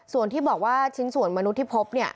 ส่วนที่บอกว่าชิ้นส่วนมนุษย์ที่พบเนี่ย